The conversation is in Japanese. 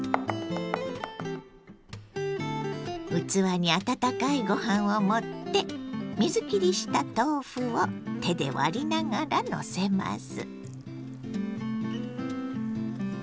器に温かいご飯を盛って水きりした豆腐を手で割りながらのせます。